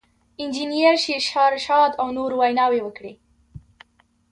انجنیر شېرشاه رشاد او نورو ویناوې وکړې.